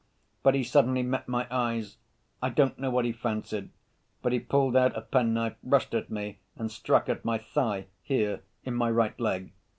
But he suddenly met my eyes. I don't know what he fancied; but he pulled out a penknife, rushed at me, and struck at my thigh, here in my right leg.